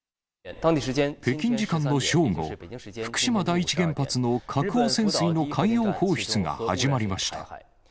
北京時間の正午、福島第一原発の核汚染水の海洋放出が始まりました。